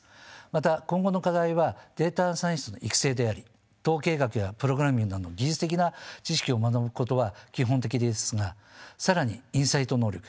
また今後の課題はデータサイエンティストの育成であり統計学やプログラミングなどの技術的な知識を学ぶことは基本的ですが更にインサイト能力